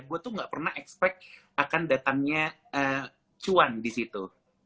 gue tuh gak pernah expect akan datangnya cuan disitu